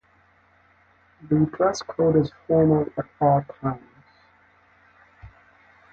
The dress code is formal at all times.